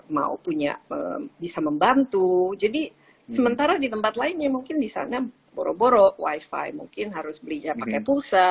mau punya bisa membantu jadi sementara di tempat lainnya mungkin di sana boro boro wifi mungkin harus belinya pakai pulsa